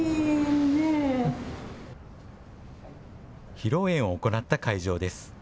披露宴を行った会場です。